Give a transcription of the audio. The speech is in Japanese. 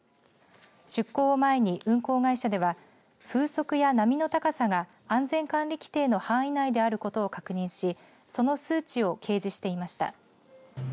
出航を前に運航会社では風速や波の高さが安全管理規程の範囲内であることを確認しその数値を掲示していました。